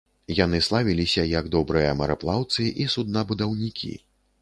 Яны славіліся як добрыя мараплаўцы і суднабудаўнікі.